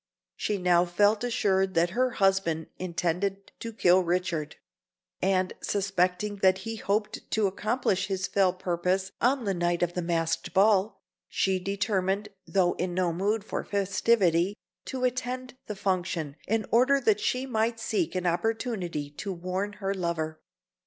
She now felt assured that her husband intended to kill Richard; and suspecting that he hoped to accomplish his fell purpose on the night of the masked ball, she determined, though in no mood for festivity, to attend the function, in order that she might seek an opportunity to warn her lover.